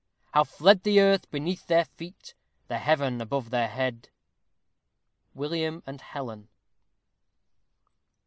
How fled the earth beneath their feet, The heaven above their head. _William and Helen.